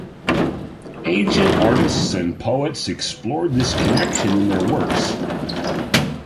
Ancient artists and poets explored this connection in their works.